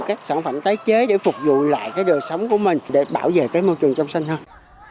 các sản phẩm tái chế để phục vụ lại đời sống của mình để bảo vệ môi trường trong sân hơn